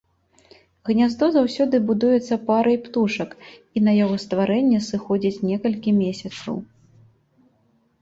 Гняздо заўсёды будуецца парай птушак, і на яго стварэнне сыходзіць некалькі месяцаў.